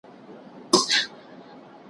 گيدړي ته خپله لکۍ بلا سوه.